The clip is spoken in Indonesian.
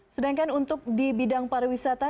sedangkan untuk di bidang pariwisata